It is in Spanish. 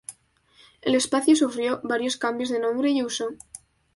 El espacio sufrió varios cambios de nombre y uso.